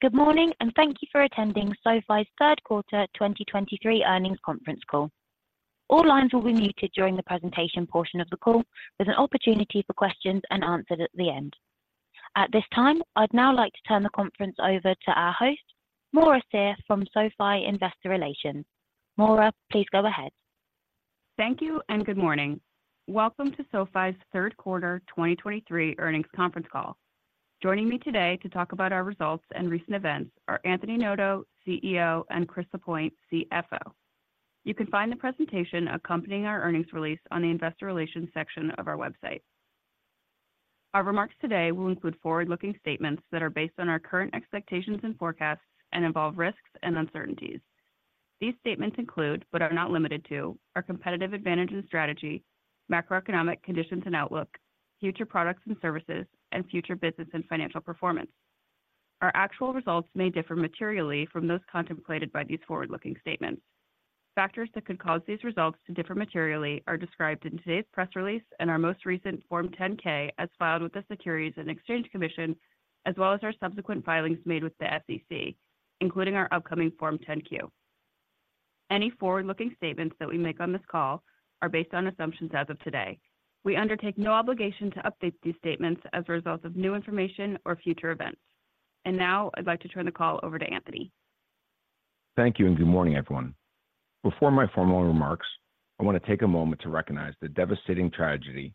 Good morning, and thank you for attending SoFi's third quarter 2023 earnings conference call. All lines will be muted during the presentation portion of the call, with an opportunity for questions and answers at the end. At this time, I'd now like to turn the conference over to our host, Maura Cyr from SoFi Investor Relations. Maura, please go ahead. Thank you and good morning. Welcome to SoFi's third quarter 2023 earnings conference call. Joining me today to talk about our results and recent events are Anthony Noto, CEO, and Chris Lapointe, CFO. You can find the presentation accompanying our earnings release on the investor relations section of our website. Our remarks today will include forward-looking statements that are based on our current expectations and forecasts and involve risks and uncertainties. These statements include, but are not limited to, our competitive advantage and strategy, macroeconomic conditions and outlook, future products and services, and future business and financial performance. Our actual results may differ materially from those contemplated by these forward-looking statements. Factors that could cause these results to differ materially are described in today's press release and our most recent Form 10-K as filed with the Securities and Exchange Commission, as well as our subsequent filings made with the SEC, including our upcoming Form 10-Q. Any forward-looking statements that we make on this call are based on assumptions as of today. We undertake no obligation to update these statements as a result of new information or future events. Now, I'd like to turn the call over to Anthony. Thank you, and good morning, everyone. Before my formal remarks, I want to take a moment to recognize the devastating tragedy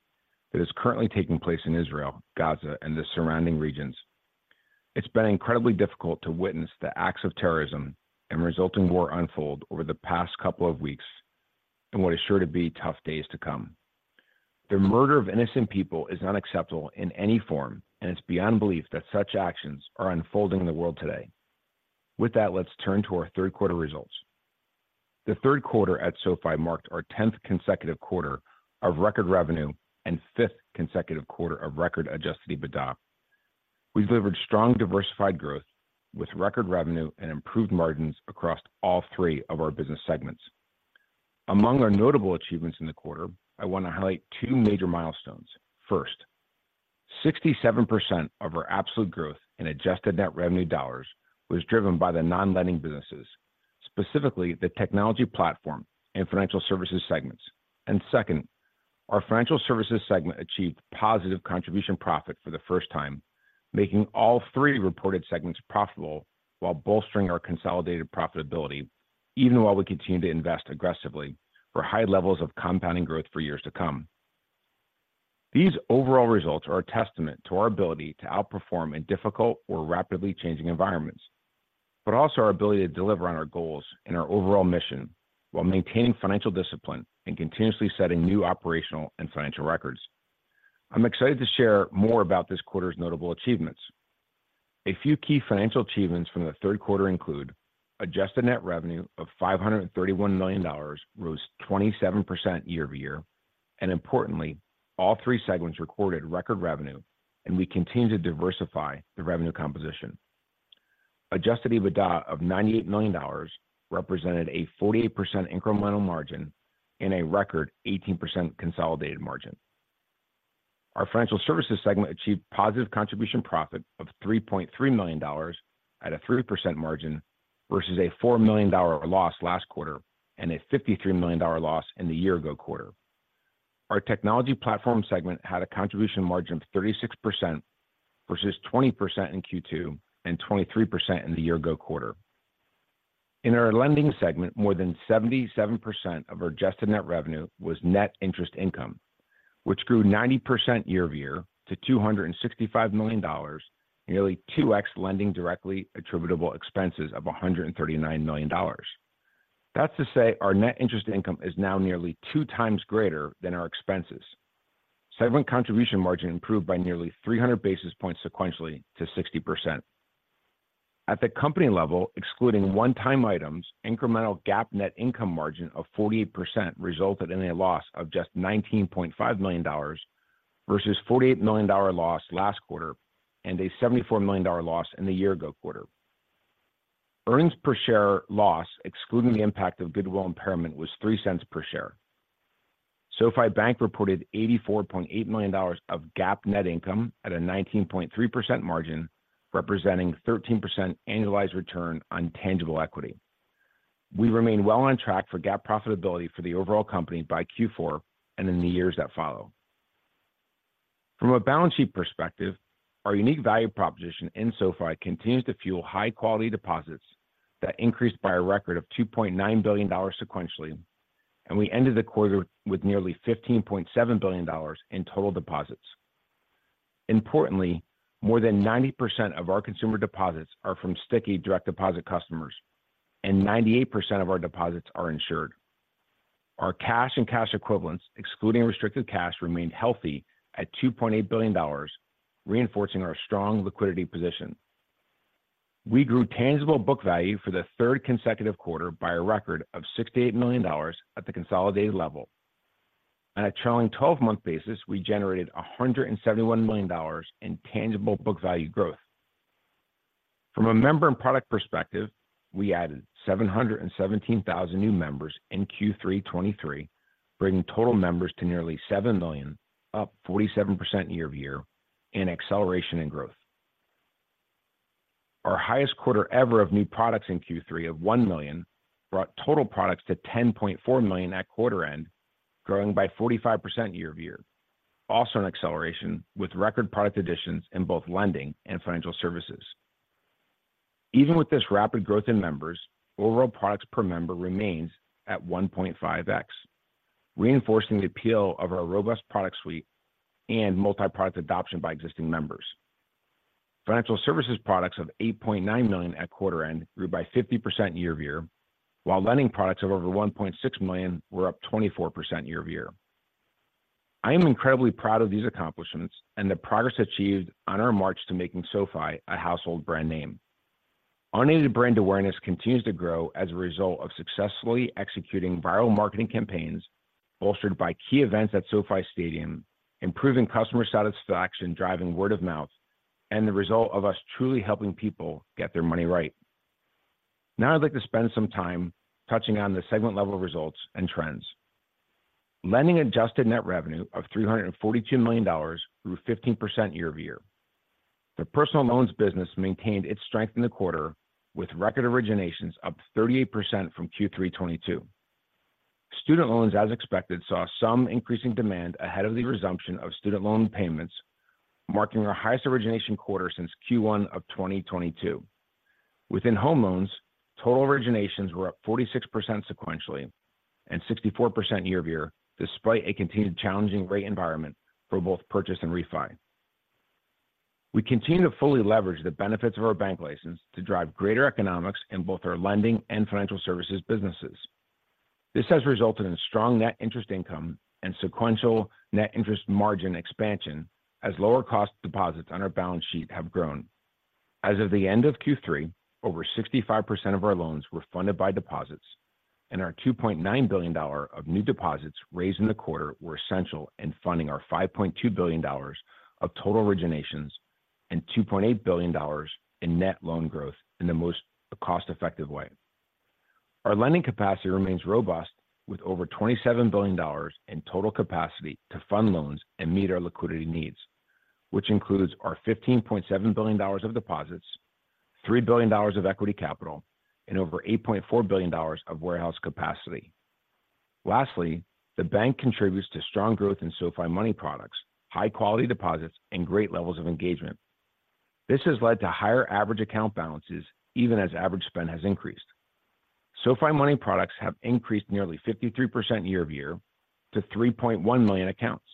that is currently taking place in Israel, Gaza, and the surrounding regions. It's been incredibly difficult to witness the acts of terrorism and resulting war unfold over the past couple of weeks, and what is sure to be tough days to come. The murder of innocent people is unacceptable in any form, and it's beyond belief that such actions are unfolding in the world today. With that, let's turn to our 3rd quarter results. The 3rd quarter at SoFi marked our 10th consecutive quarter of record revenue and 5th consecutive quarter of record Adjusted EBITDA. We delivered strong, diversified growth with record revenue and improved margins across all three of our business segments. Among our notable achievements in the quarter, I want to highlight 2 major milestones. First, 67% of our absolute growth in Adjusted Net Revenue dollars was driven by the non-lending businesses, specifically the Technology Platform and Financial Services segments. And second, our Financial Services segment achieved positive Contribution Profit for the first time, making all three reported segments profitable while bolstering our consolidated profitability, even while we continue to invest aggressively for high levels of compounding growth for years to come. These overall results are a testament to our ability to outperform in difficult or rapidly changing environments, but also our ability to deliver on our goals and our overall mission while maintaining financial discipline and continuously setting new operational and financial records. I'm excited to share more about this quarter's notable achievements. A few key financial achievements from the third quarter include adjusted net revenue of $531 million, rose 27% year-over-year, and importantly, all three segments recorded record revenue, and we continue to diversify the revenue composition. Adjusted EBITDA of $98 million represented a 48% incremental margin and a record 18% consolidated margin. Our Financial Services segment achieved positive contribution profit of $3.3 million at a 3% margin versus a $4 million loss last quarter and a $53 million loss in the year-ago quarter. Our Technology Platform segment had a contribution margin of 36% versus 20% in Q2 and 23% in the year-ago quarter. In our lending segment, more than 77% of our adjusted net revenue was net interest income, which grew 90% year-over-year to $265 million, nearly 2x lending directly attributable expenses of $139 million. That's to say our net interest income is now nearly 2 times greater than our expenses. Segment contribution margin improved by nearly 300 basis points sequentially to 60%. At the company level, excluding one-time items, incremental GAAP net income margin of 48% resulted in a loss of just $19.5 million versus $48 million dollar loss last quarter and a $74 million dollar loss in the year-ago quarter. Earnings per share loss, excluding the impact of goodwill impairment, was $0.03 per share. SoFi Bank reported $84.8 million of GAAP net income at a 19.3% margin, representing 13% annualized return on tangible equity. We remain well on track for GAAP profitability for the overall company by Q4 and in the years that follow. From a balance sheet perspective, our unique value proposition in SoFi continues to fuel high-quality deposits that increased by a record of $2.9 billion sequentially, and we ended the quarter with nearly $15.7 billion in total deposits. Importantly, more than 90% of our consumer deposits are from sticky direct deposit customers, and 98% of our deposits are insured. Our cash and cash equivalents, excluding restricted cash, remained healthy at $2.8 billion, reinforcing our strong liquidity position. We grew Tangible Book Value for the third consecutive quarter by a record of $68 million at the consolidated level. On a trailing twelve-month basis, we generated $171 million in Tangible Book Value growth. From a member and product perspective, we added 717,000 new members in Q3 2023, bringing total members to nearly 7 million, up 47% year-over-year in acceleration and growth. Our highest quarter ever of new products in Q3 of 1 million brought total products to 10.4 million at quarter end, growing by 45% year-over-year. Also an acceleration with record product additions in both lending and Financial Services. Even with this rapid growth in members, overall products per member remains at 1.5x, reinforcing the appeal of our robust product suite and multi-product adoption by existing members. Financial services products of 8.9 million at quarter end grew by 50% year-over-year, while lending products of over 1.6 million were up 24% year-over-year. I am incredibly proud of these accomplishments and the progress achieved on our march to making SoFi a household brand name. Unaided brand awareness continues to grow as a result of successfully executing viral marketing campaigns, bolstered by key events at SoFi Stadium, improving customer satisfaction, driving word of mouth, and the result of us truly helping people get their money right. Now, I'd like to spend some time touching on the segment level results and trends. Lending adjusted net revenue of $342 million grew 15% year-over-year. The personal loans business maintained its strength in the quarter, with record originations up 38% from Q3 2022. Student loans, as expected, saw some increasing demand ahead of the resumption of student loan payments, marking our highest origination quarter since Q1 of 2022. Within home loans, total originations were up 46% sequentially and 64% year-over-year, despite a continued challenging rate environment for both purchase and refi. We continue to fully leverage the benefits of our bank license to drive greater economics in both our lending and Financial Services businesses. This has resulted in strong net interest income and sequential net interest margin expansion as lower cost deposits on our balance sheet have grown. As of the end of Q3, over 65% of our loans were funded by deposits, and our $2.9 billion of new deposits raised in the quarter were essential in funding our $5.2 billion of total originations and $2.8 billion in net loan growth in the most cost-effective way. Our lending capacity remains robust, with over $27 billion in total capacity to fund loans and meet our liquidity needs, which includes our $15.7 billion of deposits, $3 billion of equity capital, and over $8.4 billion of warehouse capacity. Lastly, the bank contributes to strong growth in SoFi Money products, high-quality deposits, and great levels of engagement. This has led to higher average account balances, even as average spend has increased. SoFi Money products have increased nearly 53% year-over-year to 3.1 million accounts.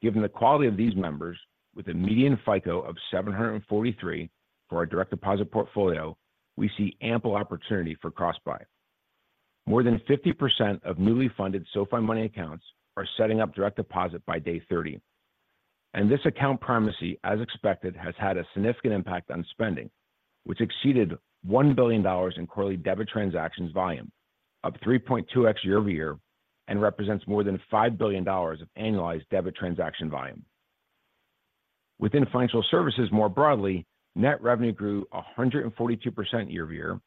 Given the quality of these members, with a median FICO of 743 for our direct deposit portfolio, we see ample opportunity for cross-buy. More than 50% of newly funded SoFi Money accounts are setting up direct deposit by day 30. And this account primacy, as expected, has had a significant impact on spending, which exceeded $1 billion in quarterly debit transactions volume, up 3.2x year-over-year, and represents more than $5 billion of annualized debit transaction volume. Within Financial Services, more broadly, net revenue grew 142% year-over-year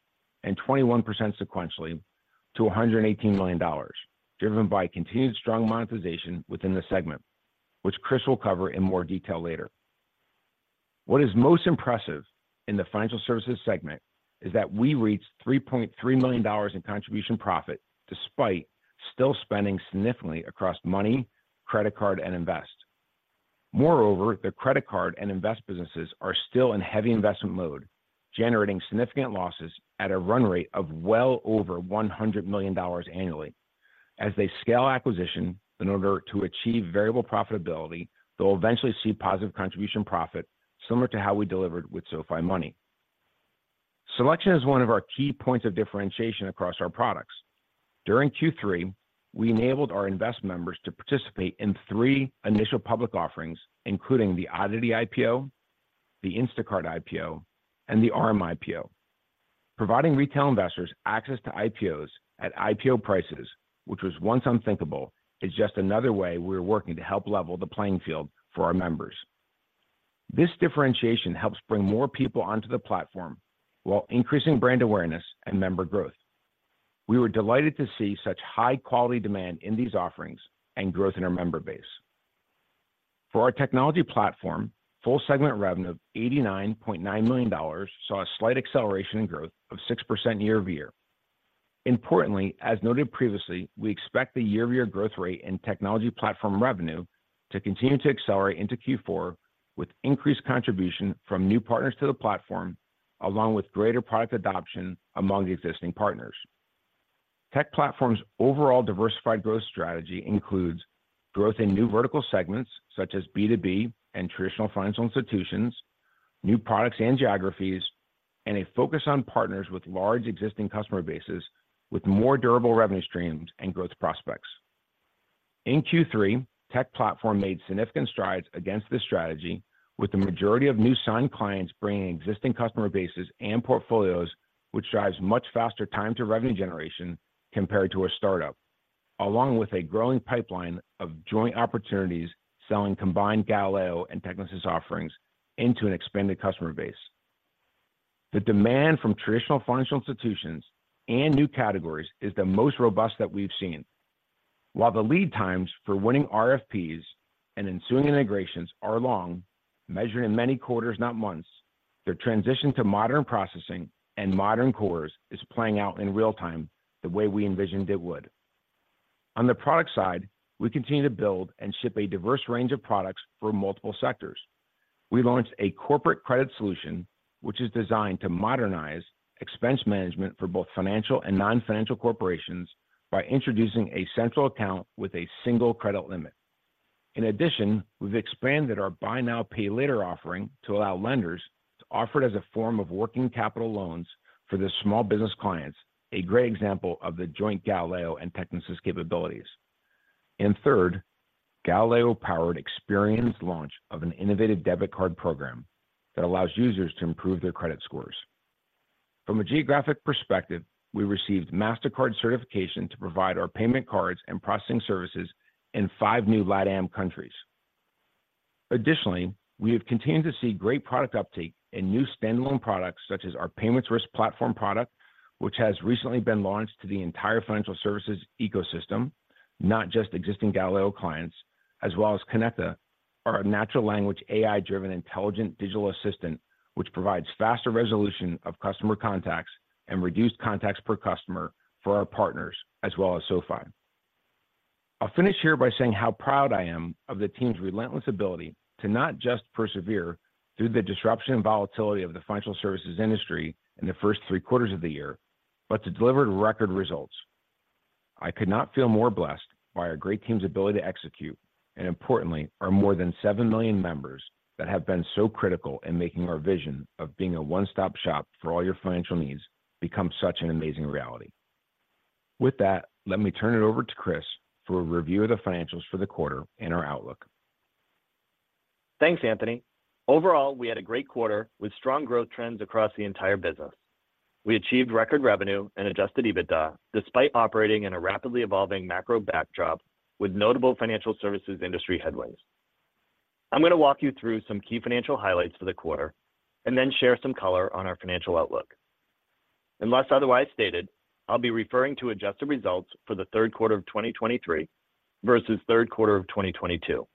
and 21% sequentially to $118 million, driven by continued strong monetization within the segment, which Chris will cover in more detail later. What is most impressive in the Financial Services segment is that we reached $3.3 million in contribution profit, despite still spending significantly across Money, Credit Card, and Invest. Moreover, the Credit Card and Invest businesses are still in heavy investment mode, generating significant losses at a run rate of well over $100 million annually. As they scale acquisition in order to achieve variable profitability, they'll eventually see positive contribution profit, similar to how we delivered with SoFi Money. Selection is one of our key points of differentiation across our products. During Q3, we enabled our Invest members to participate in three initial public offerings, including the Oddity IPO, the Instacart IPO, and the Arm IPO. Providing retail investors access to IPOs at IPO prices, which was once unthinkable, is just another way we're working to help level the playing field for our members. This differentiation helps bring more people onto the platform while increasing brand awareness and member growth. We were delighted to see such high-quality demand in these offerings and growth in our member base. For our Technology Platform, full segment revenue of $89.9 million saw a slight acceleration in growth of 6% year-over-year. Importantly, as noted previously, we expect the year-over-year growth rate in Technology Platform revenue to continue to accelerate into Q4, with increased contribution from new partners to the platform, along with greater product adoption among the existing partners. Tech Platform's overall diversified growth strategy includes growth in new vertical segments such as B2B and traditional financial institutions, new products and geographies, and a focus on partners with large existing customer bases with more durable revenue streams and growth prospects. In Q3, Tech Platform made significant strides against this strategy, with the majority of new signed clients bringing existing customer bases and portfolios, which drives much faster time to revenue generation compared to a startup, along with a growing pipeline of joint opportunities, selling combined Galileo and Technisys offerings into an expanded customer base. The demand from traditional financial institutions and new categories is the most robust that we've seen. While the lead times for winning RFPs and ensuing integrations are long, measured in many quarters, not months, their transition to modern processing and modern cores is playing out in real time, the way we envisioned it would. On the product side, we continue to build and ship a diverse range of products for multiple sectors. We launched a corporate credit solution, which is designed to modernize expense management for both financial and non-financial corporations by introducing a central account with a single credit limit. In addition, we've expanded our buy now, pay later offering to allow lenders to offer it as a form of working capital loans for their small business clients, a great example of the joint Galileo and Technisys capabilities. And third, Galileo-powered Experian's launch of an innovative debit card program that allows users to improve their credit scores. From a geographic perspective, we received Mastercard certification to provide our payment cards and processing services in five new LATAM countries. Additionally, we have continued to see great product uptake in new standalone products, such as our payments risk platform product, which has recently been launched to the entire Financial Services ecosystem, not just existing Galileo clients, as well as Konecta, our natural language, AI-driven, intelligent digital assistant, which provides faster resolution of customer contacts and reduced contacts per customer for our partners, as well as SoFi. I'll finish here by saying how proud I am of the team's relentless ability to not just persevere through the disruption and volatility of the Financial Services industry in the first three quarters of the year, but to deliver record results. I could not feel more blessed by our great team's ability to execute, and importantly, our more than 7 million members that have been so critical in making our vision of being a one-stop shop for all your financial needs become such an amazing reality. With that, let me turn it over to Chris for a review of the financials for the quarter and our outlook. Thanks, Anthony. Overall, we had a great quarter with strong growth trends across the entire business. We achieved record revenue and adjusted EBITDA, despite operating in a rapidly evolving macro backdrop with notable Financial Services industry headwinds. I'm going to walk you through some key financial highlights for the quarter and then share some color on our financial outlook. Unless otherwise stated, I'll be referring to adjusted results for the third quarter of 2023 versus third quarter of 2022.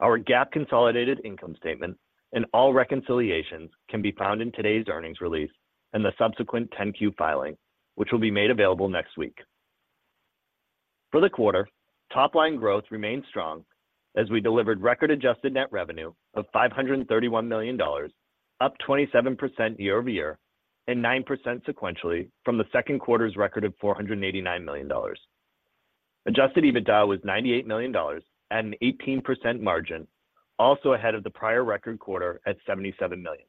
Our GAAP consolidated income statement and all reconciliations can be found in today's earnings release and the subsequent 10-Q filing, which will be made available next week. For the quarter, top-line growth remained strong as we delivered record Adjusted Net Revenue of $531 million, up 27% year-over-year and 9% sequentially from the second quarter's record of $489 million. Adjusted EBITDA was $98 million at an 18% margin, also ahead of the prior record quarter at $77 million.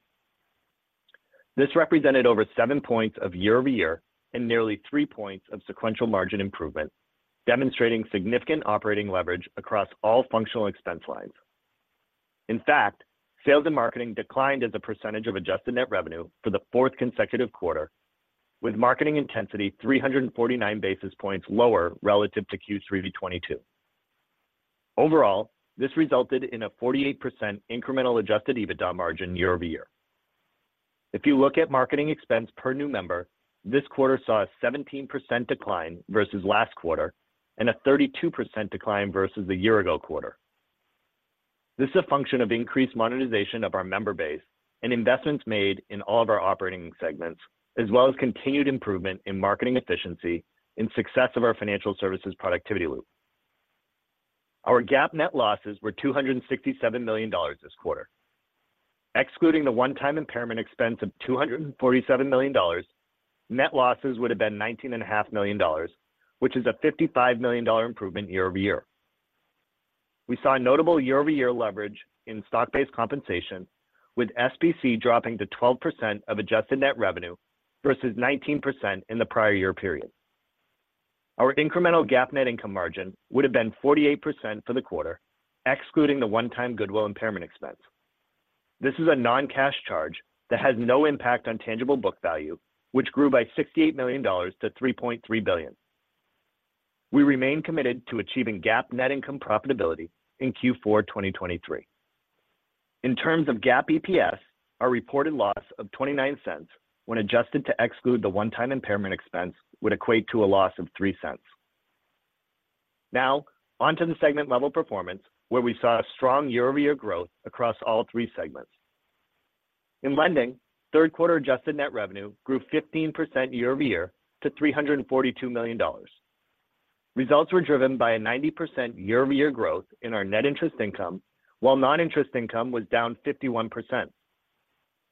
This represented over 7 points of year-over-year and nearly 3 points of sequential margin improvement, demonstrating significant operating leverage across all functional expense lines. In fact, sales and marketing declined as a percentage of Adjusted Net Revenue for the fourth consecutive quarter, with marketing intensity 349 basis points lower relative to Q3 of 2022. Overall, this resulted in a 48% incremental Adjusted EBITDA margin year-over-year. If you look at marketing expense per new member, this quarter saw a 17% decline versus last quarter and a 32% decline versus the year ago quarter. This is a function of increased monetization of our member base and investments made in all of our operating segments, as well as continued improvement in marketing efficiency and success of our Financial Services productivity loop. Our GAAP net losses were $267 million this quarter. Excluding the one-time impairment expense of $247 million, net losses would have been $19.5 million, which is a $55 million improvement year over year. We saw a notable year-over-year leverage in stock-based compensation, with SBC dropping to 12% of adjusted net revenue versus 19% in the prior year period. Our incremental GAAP net income margin would have been 48% for the quarter, excluding the one-time goodwill impairment expense. This is a non-cash charge that has no impact on tangible book value, which grew by $68 million to $3.3 billion. We remain committed to achieving GAAP net income profitability in Q4 2023. In terms of GAAP EPS, our reported loss of $0.29, when adjusted to exclude the one-time impairment expense, would equate to a loss of $0.03. Now, on to the segment level performance, where we saw a strong year-over-year growth across all three segments. In lending, third quarter adjusted net revenue grew 15% year-over-year to $342 million. Results were driven by a 90% year-over-year growth in our net interest income, while non-interest income was down 51%.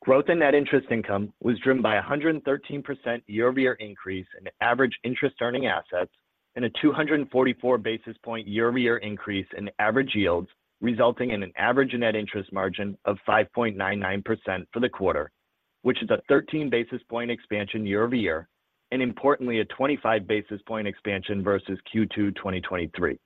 Growth in net interest income was driven by a 113% year-over-year increase in average interest earning assets and a 244 basis point year-over-year increase in average yields, resulting in an average net interest margin of 5.99% for the quarter, which is a 13 basis point expansion year-over-year, and importantly, a 25 basis point expansion versus Q2 2023.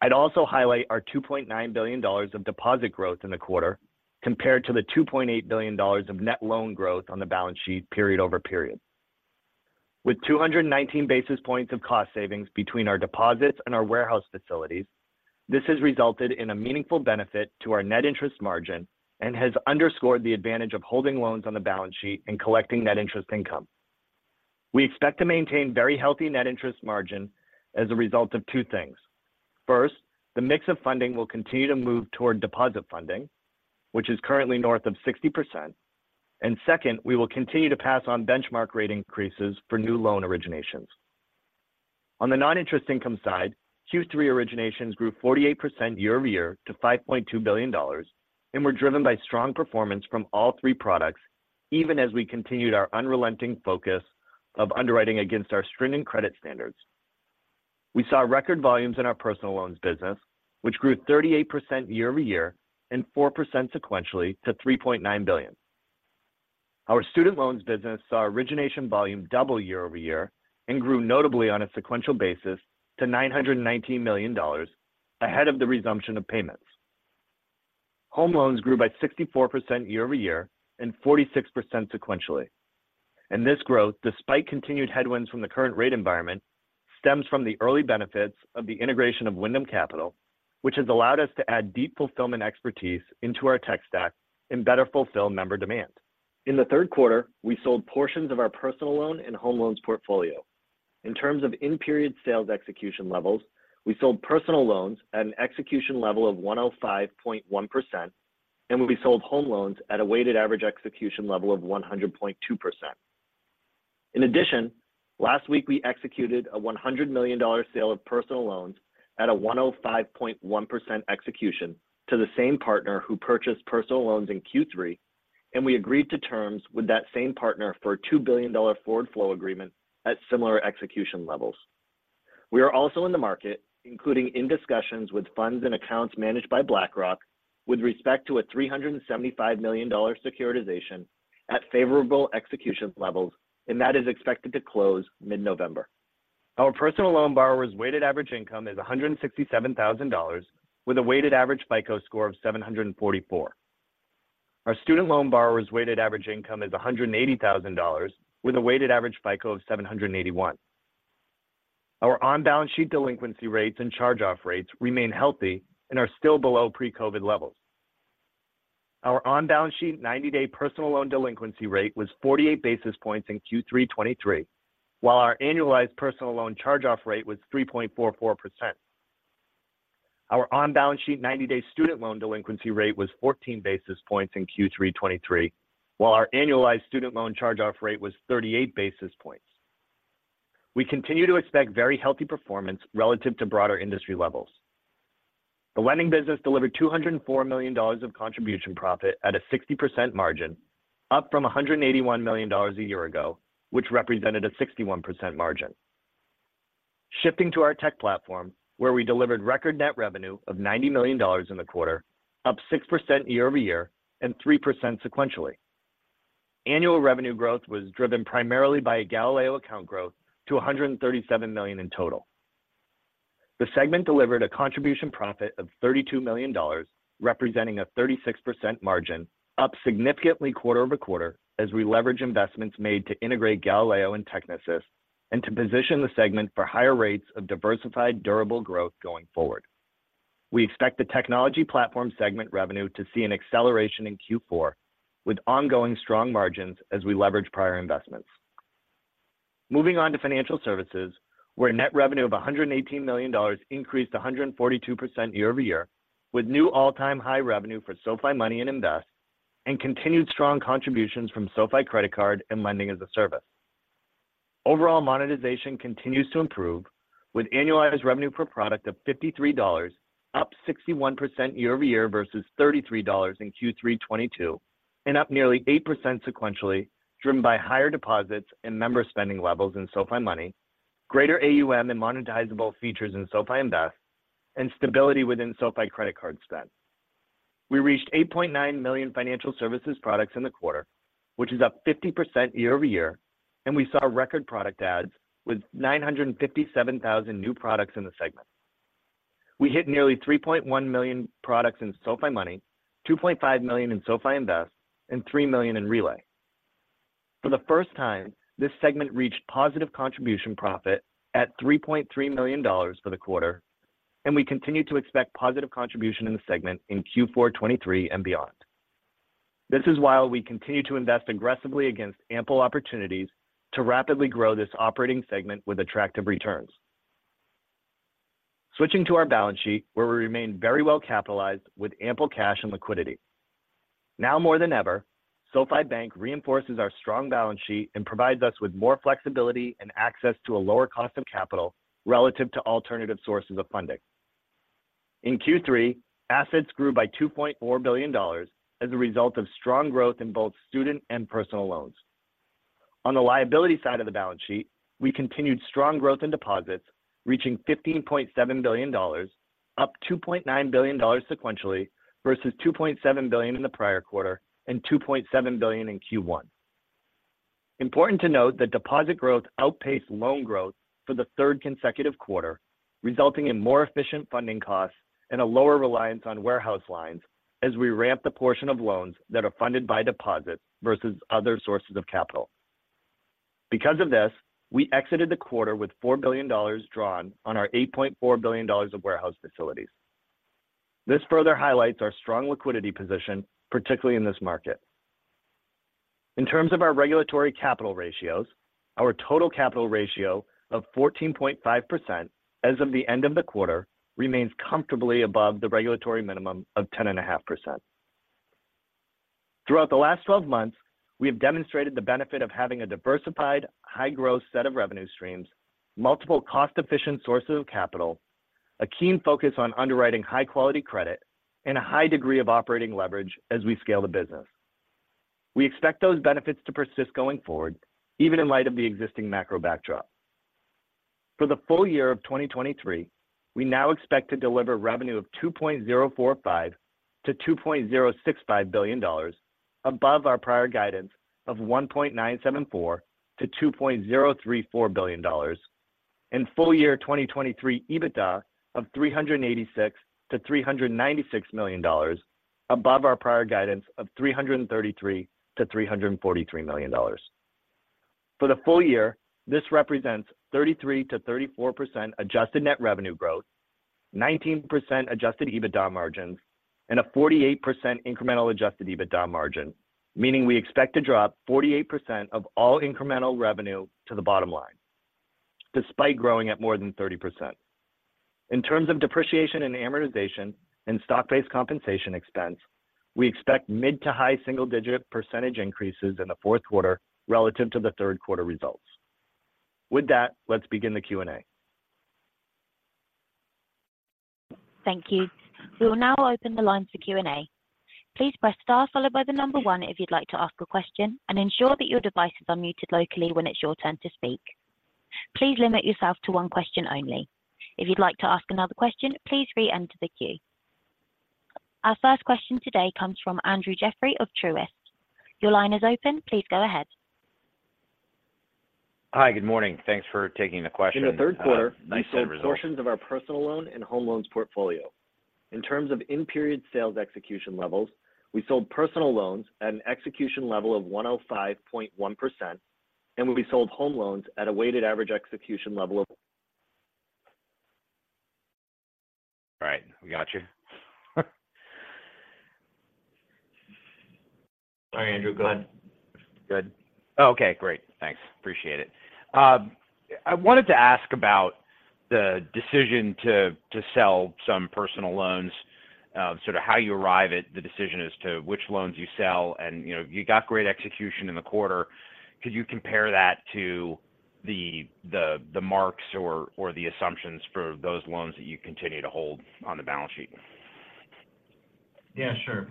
I'd also highlight our $2.9 billion of deposit growth in the quarter compared to the $2.8 billion of net loan growth on the balance sheet period over period. With 219 basis points of cost savings between our deposits and our warehouse facilities, this has resulted in a meaningful benefit to our net interest margin and has underscored the advantage of holding loans on the balance sheet and collecting net interest income. We expect to maintain very healthy net interest margin as a result of two things. First, the mix of funding will continue to move toward deposit funding, which is currently north of 60%. And second, we will continue to pass on benchmark rate increases for new loan originations. On the non-interest income side, Q3 originations grew 48% year-over-year to $5.2 billion and were driven by strong performance from all three products, even as we continued our unrelenting focus of underwriting against our stringent credit standards. We saw record volumes in our personal loans business, which grew 38% year-over-year and 4% sequentially to $3.9 billion. Our student loans business saw origination volume double year-over-year and grew notably on a sequential basis to $919 million ahead of the resumption of payments. Home loans grew by 64% year-over-year and 46% sequentially. And this growth, despite continued headwinds from the current rate environment, stems from the early benefits of the integration of Wyndham Capital, which has allowed us to add deep fulfillment expertise into our tech stack and better fulfill member demand. In the third quarter, we sold portions of our personal loan and home loans portfolio. In terms of in-period sales execution levels, we sold personal loans at an execution level of 105.1%, and we sold home loans at a weighted average execution level of 100.2%. In addition, last week, we executed a $100 million sale of personal loans at a 105.1% execution to the same partner who purchased personal loans in Q3, and we agreed to terms with that same partner for a $2 billion forward flow agreement at similar execution levels. We are also in the market, including in discussions with funds and accounts managed by BlackRock, with respect to a $375 million securitization at favorable execution levels, and that is expected to close mid-November. Our personal loan borrowers' weighted average income is $167,000, with a weighted average FICO score of 744. Our student loan borrowers' weighted average income is $180,000, with a weighted average FICO of 781. Our on-balance sheet delinquency rates and charge-off rates remain healthy and are still below pre-COVID levels. Our on-balance sheet ninety-day personal loan delinquency rate was 48 basis points in Q3 2023, while our annualized personal loan charge-off rate was 3.44%. Our on-balance sheet ninety-day student loan delinquency rate was 14 basis points in Q3 2023, while our annualized student loan charge-off rate was 38 basis points. We continue to expect very healthy performance relative to broader industry levels. The lending business delivered $204 million of contribution profit at a 60% margin, up from $181 million a year ago, which represented a 61% margin. Shifting to our tech platform, where we delivered record net revenue of $90 million in the quarter, up 6% year-over-year and 3% sequentially. Annual revenue growth was driven primarily by Galileo account growth to 137 million in total. The segment delivered a contribution profit of $32 million, representing a 36% margin, up significantly quarter-over-quarter as we leverage investments made to integrate Galileo and Technisys and to position the segment for higher rates of diversified, durable growth going forward. We expect the Technology Platform segment revenue to see an acceleration in Q4, with ongoing strong margins as we leverage prior investments. Moving on to Financial Services, where net revenue of $118 million increased 142% year-over-year, with new all-time high revenue for SoFi Money and Invest, and continued strong contributions from SoFi Credit Card and Lending as a Service. Overall monetization continues to improve, with annualized revenue per product of $53, up 61% year-over-year versus $33 in Q3 2022, and up nearly 8% sequentially, driven by higher deposits and member spending levels in SoFi Money, greater AUM and monetizable features in SoFi Invest, and stability within SoFi Credit Card spend. We reached 8.9 million Financial Services products in the quarter, which is up 50% year-over-year, and we saw record product adds with 957,000 new products in the segment. We hit nearly 3.1 million products in SoFi Money, 2.5 million in SoFi Invest, and 3 million in Relay. For the first time, this segment reached positive contribution profit at $3.3 million for the quarter, and we continue to expect positive contribution in the segment in Q4 2023 and beyond. This is while we continue to invest aggressively against ample opportunities to rapidly grow this operating segment with attractive returns. Switching to our balance sheet, where we remain very well capitalized with ample cash and liquidity. Now more than ever, SoFi Bank reinforces our strong balance sheet and provides us with more flexibility and access to a lower cost of capital relative to alternative sources of funding. In Q3, assets grew by $2.4 billion as a result of strong growth in both student and personal loans. On the liability side of the balance sheet, we continued strong growth in deposits, reaching $15.7 billion, up $2.9 billion sequentially versus $2.7 billion in the prior quarter and $2.7 billion in Q1. Important to note that deposit growth outpaced loan growth for the third consecutive quarter, resulting in more efficient funding costs and a lower reliance on warehouse lines as we ramp the portion of loans that are funded by deposits versus other sources of capital. Because of this, we exited the quarter with $4 billion drawn on our $8.4 billion of warehouse facilities. This further highlights our strong liquidity position, particularly in this market. In terms of our regulatory capital ratios, our total capital ratio of 14.5% as of the end of the quarter remains comfortably above the regulatory minimum of 10.5%. Throughout the last 12 months, we have demonstrated the benefit of having a diversified, high-growth set of revenue streams, multiple cost-efficient sources of capital, a keen focus on underwriting high-quality credit, and a high degree of operating leverage as we scale the business. We expect those benefits to persist going forward, even in light of the existing macro backdrop. For the full year of 2023, we now expect to deliver revenue of $2.045-$2.065 billion, above our prior guidance of $1.974-$2.034 billion, and full year 2023 EBITDA of $386-$396 million, above our prior guidance of $333-$343 million. For the full year, this represents 33%-34% Adjusted Net Revenue growth, 19% Adjusted EBITDA margins, and a 48% incremental Adjusted EBITDA margin, meaning we expect to drop 48% of all incremental revenue to the bottom line, despite growing at more than 30%. In terms of depreciation and amortization and stock-based compensation expense, we expect mid- to high single-digit % increases in the fourth quarter relative to the third quarter results. With that, let's begin the Q&A. Thank you. We will now open the line for Q&A. Please press star followed by the number one if you'd like to ask a question, and ensure that your devices are muted locally when it's your turn to speak. Please limit yourself to one question only. If you'd like to ask another question, please reenter the queue. Our first question today comes from Andrew Jeffrey of Truist. Your line is open. Please go ahead. Hi, good morning. Thanks for taking the question. Nice results. In the third quarter, we sold portions of our personal loan and home loans portfolio. In terms of in-period sales execution levels, we sold personal loans at an execution level of 105.1%, and we sold home loans at a weighted average execution level of- All right, we got you. Sorry, Andrew. Go ahead. Good. Okay, great. Thanks. Appreciate it. I wanted to ask about the decision to sell some personal loans, sort of how you arrive at the decision as to which loans you sell, and, you know, you got great execution in the quarter. Could you compare that to the marks or the assumptions for those loans that you continue to hold on the balance sheet? Yeah, sure.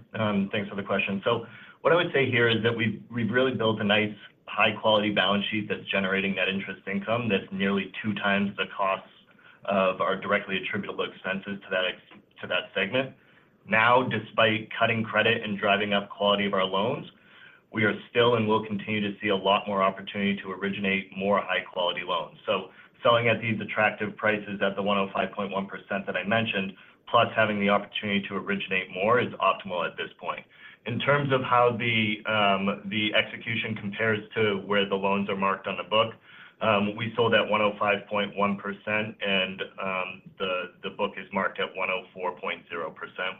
Thanks for the question. So what I would say here is that we've really built a nice, high-quality balance sheet that's generating that interest income that's nearly two times the costs of our directly attributable expenses to that segment. Now, despite cutting credit and driving up quality of our loans, we are still and will continue to see a lot more opportunity to originate more high-quality loans. So selling at these attractive prices at the 105.1% that I mentioned, plus having the opportunity to originate more, is optimal at this point. In terms of how the execution compares to where the loans are marked on the book, we sold at 105.1%, and the book is marked at 104.0%,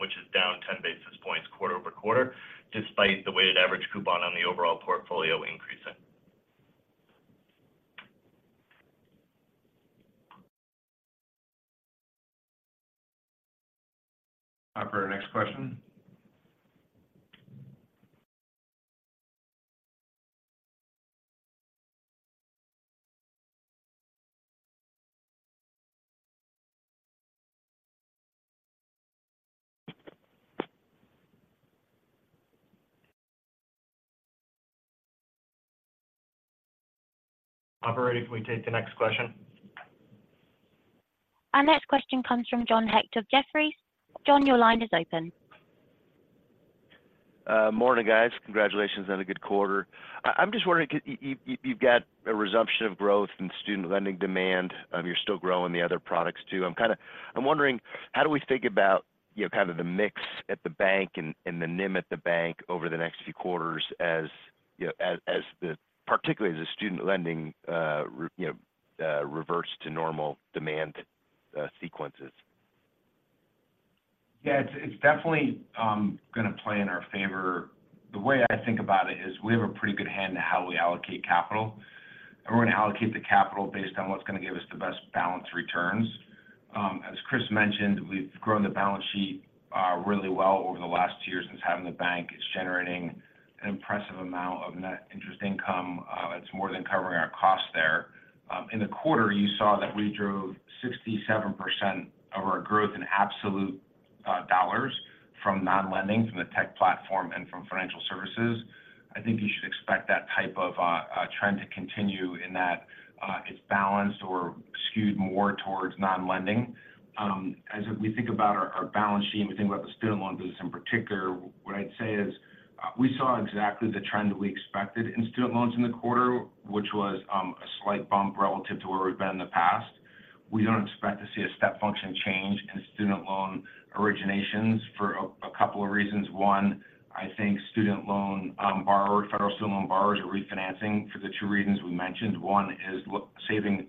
which is down 10 basis points quarter-over-quarter, despite the weighted average coupon on the overall portfolio increasing. Operator, next question. Operator, if we take the next question. Our next question comes from John Hecht of Jefferies. John, your line is open. Morning, guys. Congratulations on a good quarter. I'm just wondering, you've got a resumption of growth in student lending demand, you're still growing the other products, too. I'm wondering, how do we think about, you know, kind of the mix at the bank and the NIM at the bank over the next few quarters, as you know, particularly as the student lending reverts to normal demand, sequences? Yeah, it's definitely going to play in our favor. The way I think about it is we have a pretty good hand in how we allocate capital, and we're going to allocate the capital based on what's going to give us the best balance returns. As Chris mentioned, we've grown the balance sheet really well over the last two years since having the bank. It's generating an impressive amount of net interest income. It's more than covering our costs there. In the quarter, you saw that we drove 67% of our growth in absolute dollars from non-lending, from the tech platform and from Financial Services. I think you should expect that type of trend to continue in that it's balanced or skewed more towards non-lending.... as we think about our, our balance sheet, we think about the student loan business in particular, what I'd say is, we saw exactly the trend that we expected in student loans in the quarter, which was, a slight bump relative to where we've been in the past. We don't expect to see a step function change in student loan originations for a, a couple of reasons. One, I think student loan, borrowers, federal student loan borrowers are refinancing for the two reasons we mentioned. One is saving,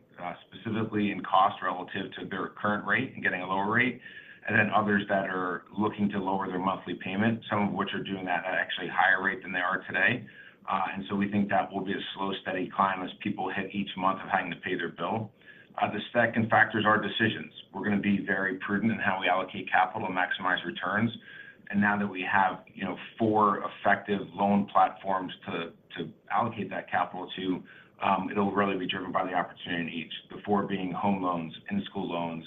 specifically in cost relative to their current rate and getting a lower rate, and then others that are looking to lower their monthly payment, some of which are doing that at actually a higher rate than they are today. And so we think that will be a slow, steady climb as people hit each month of having to pay their bill. The second factor is our decisions. We're going to be very prudent in how we allocate capital and maximize returns. And now that we have, you know, four effective loan platforms to allocate that capital to, it'll really be driven by the opportunity in each, four being home loans, in-school loans,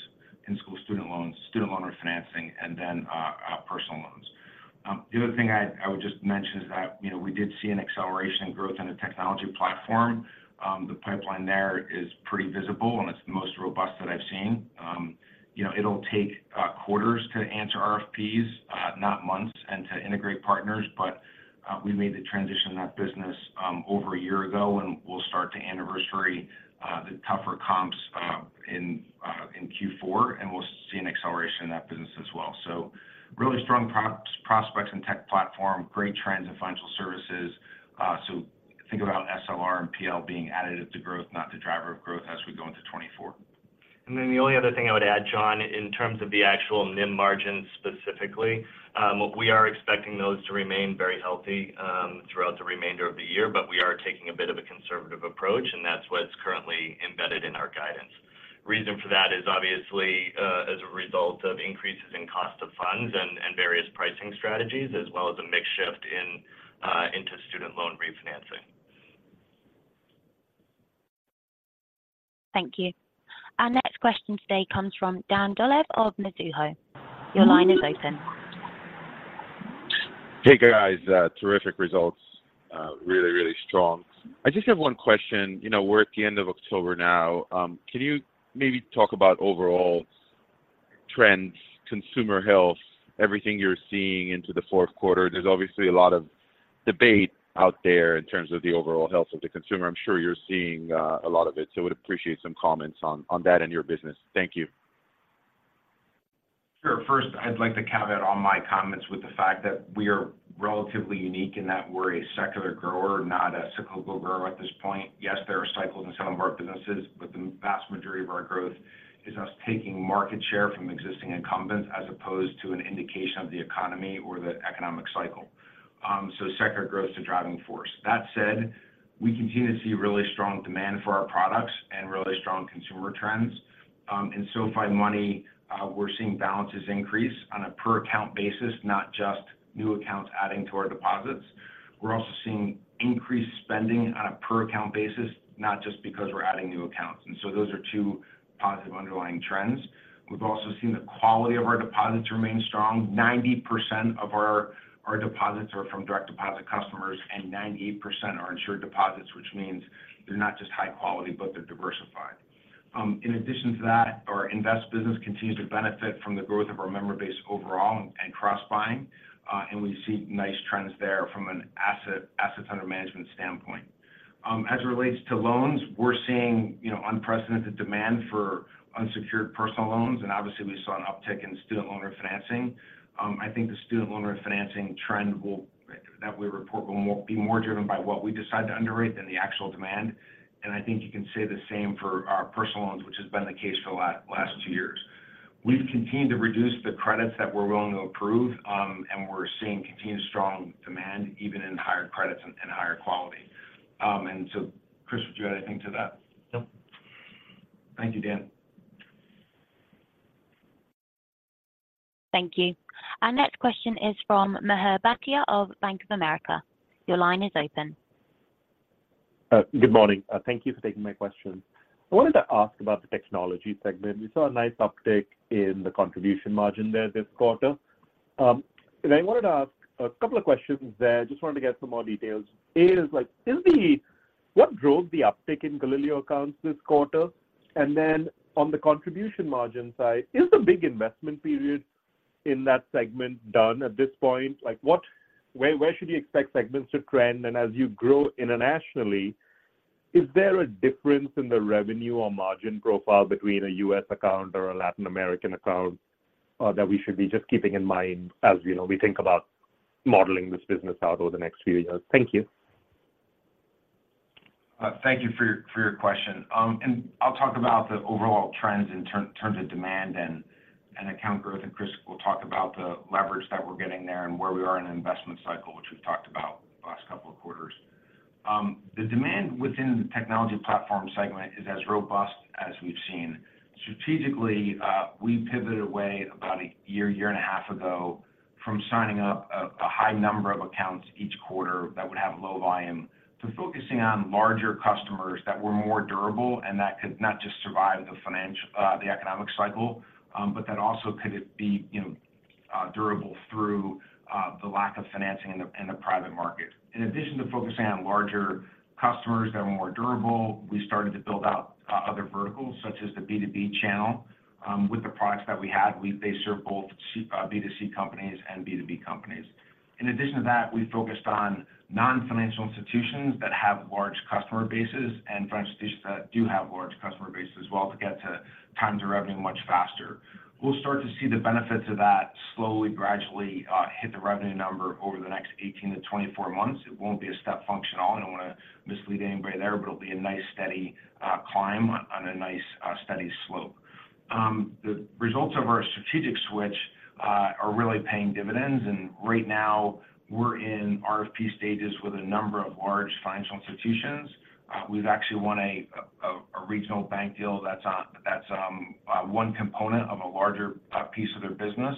in-school student loans, student loan refinancing, and then personal loans. The other thing I would just mention is that, you know, we did see an acceleration in growth in the Technology Platform. The pipeline there is pretty visible, and it's the most robust that I've seen. You know, it'll take quarters to answer RFPs, not months, and to integrate partners, but we made the transition in that business over a year ago, and we'll start to anniversary the tougher comps in Q4, and we'll see an acceleration in that business as well. So really strong prospects in tech platform, great trends in Financial Services. So think about SLR and PL being additive to growth, not the driver of growth as we go into 2024. And then the only other thing I would add, John, in terms of the actual NIM margin specifically, we are expecting those to remain very healthy, throughout the remainder of the year, but we are taking a bit of a conservative approach, and that's what's currently embedded in our guidance. Reason for that is obviously, as a result of increases in cost of funds and various pricing strategies, as well as a mix shift into student loan refinancing. Thank you. Our next question today comes from Dan Dolev of Mizuho. Your line is open. Hey, guys, terrific results. Really, really strong. I just have one question. You know, we're at the end of October now. Can you maybe talk about overall trends, consumer health, everything you're seeing into the fourth quarter? There's obviously a lot of debate out there in terms of the overall health of the consumer. I'm sure you're seeing a lot of it, so would appreciate some comments on that and your business. Thank you. Sure. First, I'd like to caveat all my comments with the fact that we are relatively unique in that we're a secular grower, not a cyclical grower at this point. Yes, there are cycles in some of our businesses, but the vast majority of our growth is us taking market share from existing incumbents as opposed to an indication of the economy or the economic cycle. So secular growth is the driving force. That said, we continue to see really strong demand for our products and really strong consumer trends. In SoFi Money, we're seeing balances increase on a per-account basis, not just new accounts adding to our deposits. We're also seeing increased spending on a per-account basis, not just because we're adding new accounts. And so those are two positive underlying trends. We've also seen the quality of our deposits remain strong. 90% of our deposits are from direct deposit customers, and 98% are insured deposits, which means they're not just high quality, but they're diversified. In addition to that, our invest business continues to benefit from the growth of our member base overall and cross-buying, and we see nice trends there from an assets under management standpoint. As it relates to loans, we're seeing, you know, unprecedented demand for unsecured personal loans, and obviously we saw an uptick in student loan refinancing. I think the student loan refinancing trend, that we report, will be more driven by what we decide to underwrite than the actual demand. I think you can say the same for our personal loans, which has been the case for the last two years. We've continued to reduce the credits that we're willing to approve, and we're seeing continued strong demand, even in higher credits and higher quality. And so Chris, would you add anything to that? No. Thank you, Dan. Thank you. Our next question is from Mihir Bhatia of Bank of America. Your line is open. Good morning. Thank you for taking my question. I wanted to ask about the technology segment. We saw a nice uptick in the contribution margin there this quarter. And I wanted to ask a couple of questions there. Just wanted to get some more details. What drove the uptick in Galileo accounts this quarter? And then on the contribution margin side, is the big investment period in that segment done at this point? Like, where should we expect segments to trend? And as you grow internationally, is there a difference in the revenue or margin profile between a US account or a Latin American account that we should be just keeping in mind as, you know, we think about modeling this business out over the next few years? Thank you. Thank you for your, for your question. I'll talk about the overall trends in terms of demand and, and account growth, and Chris will talk about the leverage that we're getting there and where we are in the investment cycle, which we've talked about the last couple of quarters. The demand within the Technology Platform segment is as robust as we've seen. Strategically, we pivoted away about a year, year and a half ago from signing up a, a high number of accounts each quarter that would have low volume, to focusing on larger customers that were more durable and that could not just survive the financial, the economic cycle, but that also could be, you know, durable through, the lack of financing in the, in the private market. In addition to focusing on larger customers that were more durable, we started to build out other verticals such as the B2B channel. With the products that we had, they serve both B2C companies and B2B companies. In addition to that, we focused on non-financial institutions that have large customer bases and financial institutions that do have large customer base as well to get to times of revenue much faster. We'll start to see the benefits of that slowly, gradually hit the revenue number over the next 18-24 months. It won't be a step function at all. I don't wanna mislead anybody there, but it'll be a nice, steady climb on a nice steady slope. The results of our strategic switch are really paying dividends, and right now we're in RFP stages with a number of large financial institutions. We've actually won a regional bank deal that's one component of a larger piece of their business